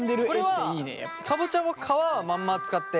これはかぼちゃも皮はまんま使って？